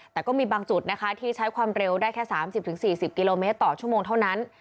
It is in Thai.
แต่ก็มีบางจุดนะคะที่ใช้ความเร็วได้แค่๓๐๔๐กิโลเมตรต่อชั่วโมงเท่านั้น